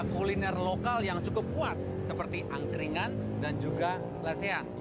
kuliner lokal yang cukup kuat seperti angkringan dan juga lesehan